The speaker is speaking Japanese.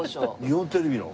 日本テレビの？